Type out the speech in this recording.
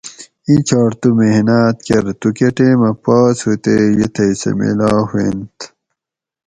ایں چھاٹ تو محناۤت کر تو کہۤ ٹیمہ پاس ھو تے یہ تھئ سہ میلا ھویٔنت